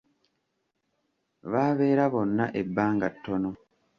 Baabeera bonna ebbanga ttono.